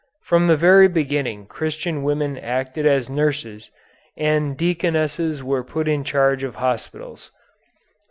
From the very beginning Christian women acted as nurses, and deaconesses were put in charge of hospitals.